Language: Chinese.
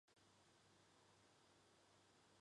因为这个缘故徐静蕾的籍贯在哪里有争议。